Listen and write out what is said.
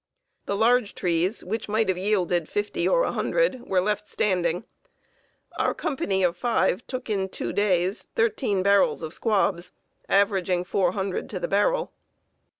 The large trees, which might have yielded fifty or a hundred, were left standing. Our company of five took in two days thirteen barrels of squabs, averaging 400 to the barrel.